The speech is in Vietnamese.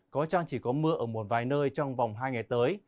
có chăng chỉ có mưa ở một vài nơi trong vòng hai ngày tới